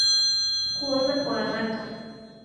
Kuoza kwa haraka